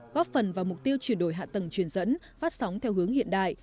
góp phần vào mục tiêu chuyển đổi hạ tầng truyền dẫn phát sóng theo hướng hiện đại